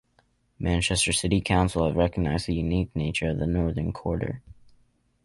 Manchester City Council have recognised the unique nature of the Northern Quarter.